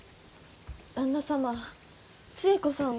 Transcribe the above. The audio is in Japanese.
旦那様寿恵子さんは。